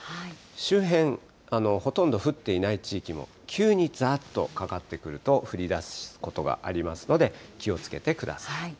周辺、ほとんど降っていない地域も、急にざーっとかかってくると降りだすことがありますので、気をつけてください。